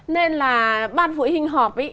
nên là ban phụ huynh họp ấy